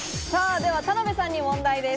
では、田辺さんに問題です。